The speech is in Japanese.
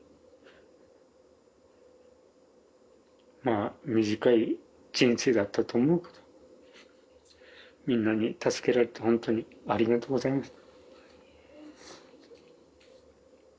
まあ短い人生だったと思うけどみんなに助けられてほんとにありがとうございました。